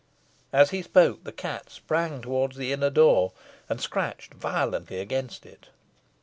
As he spoke, the cat sprang towards the inner door, and scratched violently against it.